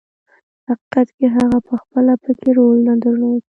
په حقیقت کې هغه پخپله پکې رول نه درلود.